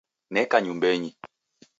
Neka nyumbenyi